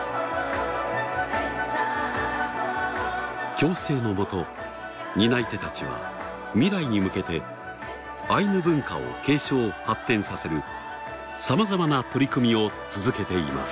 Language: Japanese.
共生のもと担い手たちは未来に向けてアイヌ文化を継承発展させるさまざまな取り組みを続けています。